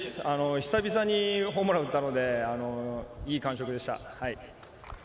久々にホームランを打ったのでいい感触でした。